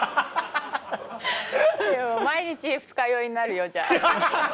毎日二日酔いになるよじゃあ。